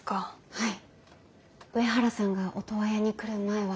はい。